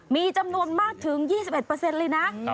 มีจำนวนมากถึง๒๑เลยนะ